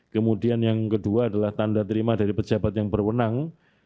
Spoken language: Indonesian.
kemudian yang kedua adalah tanda terima dari pejabat yang berwenang